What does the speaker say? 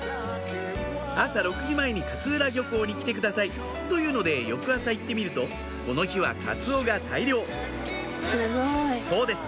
朝６時前に勝浦漁港に来てくださいと言うので翌朝行ってみるとこの日はカツオが大漁そうです！